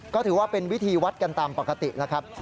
ก็ถือว่าเป็นวิธีวัดกันตามปกติแล้วครับ